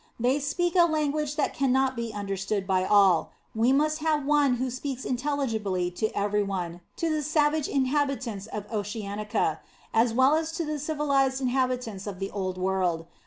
They speak a language that cannot be understood by all; we must have one who speaks intelligibly to every one, to the savage inhabitants of Oceanica, as well as to the civilized inhabitants of the old world.